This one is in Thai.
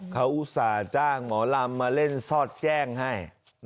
เขาอุตส่าห์จ้างหมอลำมาเล่นซอดแจ้งให้